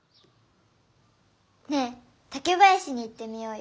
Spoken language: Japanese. ねえ竹林に行ってみようよ。